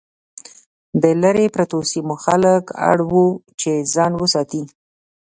د لرې پرتو سیمو خلک اړ وو چې ځان وساتي.